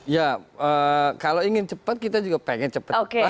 ya kalau ingin cepat kita juga pengen cepat cepat